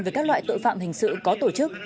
với các loại tội phạm hình sự có tổ chức